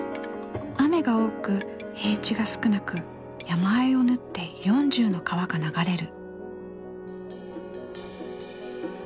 雨が多く平地が少なく山あいを縫って４０の川が流れる。